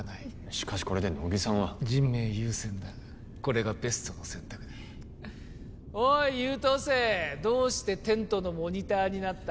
しかしこれで乃木さんは人命優先だこれがベストの選択だおい優等生どうしてテントのモニターになった？